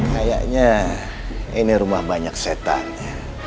kayaknya ini rumah banyak setan ya